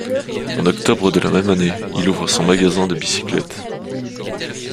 En octobre de la même année, il ouvre son magasin de bicyclettes.